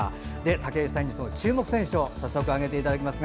武井さんに注目選手を早速、挙げていただきます。